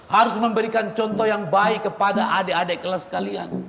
harus memberikan contoh yang baik kepada adik adik kelas kalian